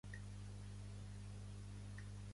Què ha assolit Plataforma per la Llengua?